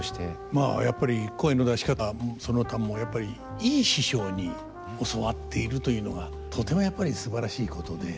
まあやっぱり声の出し方その他もやっぱりいい師匠に教わっているというのがとてもやっぱりすばらしいことで。